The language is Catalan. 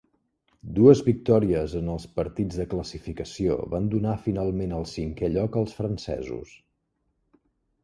Dues victòries en els partits de classificació van donar finalment el cinquè lloc als francesos.